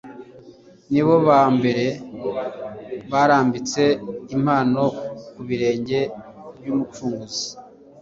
Ni bo ba mbere barambitse impano ku birenge by'Umucunguzi.